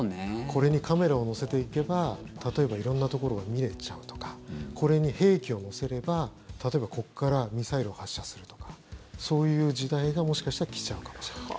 これにカメラを載せていけば例えば色んなところが見れちゃうとかこれに兵器を載せれば例えばここからミサイルを発射するとかそういう時代が、もしかしたら来ちゃうかもしれない。